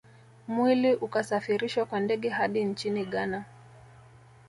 Mwili ukasafirishwa kwa ndege hadi nchini Ghana